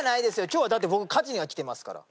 今日はだって僕勝ちには来てますから。